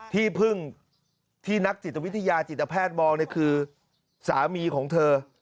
ที่พึ่งที่นักจิตวิทยาจิตแพทย์มองคือสามีของเธอ